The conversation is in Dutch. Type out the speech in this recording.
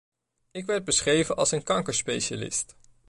Ik werd beschreven als een kankerspecialist.